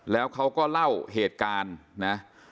แล้วเขาก็เล่าเหตุการณ์นะ